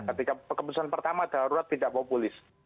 ketika keputusan pertama darurat tidak populis